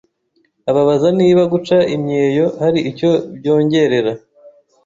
ababaza niba guca imyeyo hari icyo byongerera